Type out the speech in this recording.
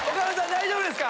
大丈夫ですか？